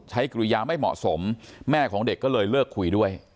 กริยาไม่เหมาะสมแม่ของเด็กก็เลยเลิกคุยด้วย